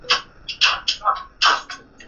د آدب ټوله بهير را سره خاندي